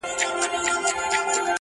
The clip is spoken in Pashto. o د غنمو لار د ژرندي تر خولې ده.